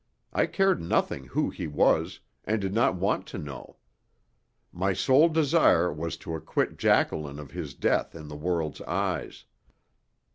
I cared nothing who he was, and did not want to know. My sole desire was to acquit Jacqueline of his death in the world's eyes.